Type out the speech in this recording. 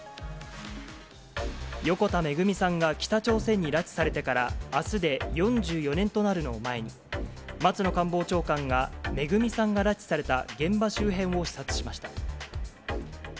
横田めぐみさんが北朝鮮に拉致されてから、あすで４４年となるのを前に、松野官房長官が、めぐみさんが拉致された現場周辺を視察しました。